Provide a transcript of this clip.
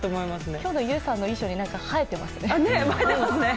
今日のユウさんの衣装に映えてますね。